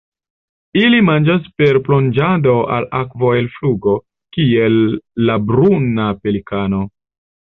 Ili manĝas per plonĝado al akvo el flugo, kiel la Bruna pelikano.